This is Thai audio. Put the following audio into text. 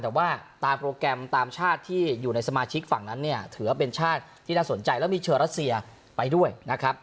แต่ว่าตามโปรแกรมตามชาติที่อยู่ในสมาชิกฝั่งนั้นเนี่ยถือว่าเป็นชาติที่น่าสนใจแล้วมีเชิญรัสเซียไปด้วยนะครับ